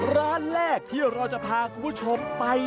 ร้านแรกที่เราจะพาคุณผู้ชมไป